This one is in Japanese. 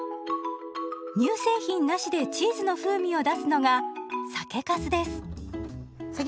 乳製品なしでチーズの風味を出すのが酒かすです。